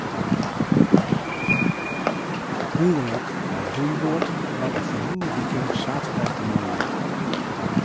It ûngelok mei de roeiboat barde ferline wike saterdeitemoarn.